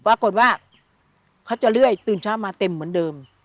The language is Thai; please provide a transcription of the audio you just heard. ปรากฏว่าเขาจะเรื่อยตื่นเช้ามาเต็มเหมือนเดิม